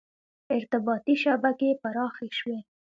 • ارتباطي شبکې پراخې شوې.